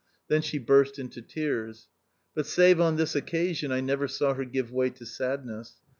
Then she burst into tears. But save on this occasion I never saw her give way to sadness.